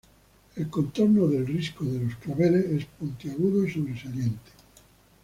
El contorno del Risco de los Claveles es puntiagudo y sobresaliente.